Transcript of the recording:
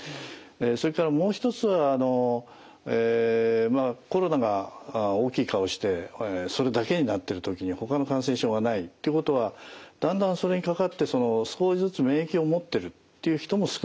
それからもう一つはコロナが大きい顔してそれだけになってる時にほかの感染症がないってことはだんだんそれにかかって少しずつ免疫を持ってるっていう人も少なくなってきてるんですね。